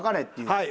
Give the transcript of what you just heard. はい。